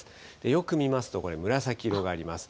よく見ますと、これ、紫色があります。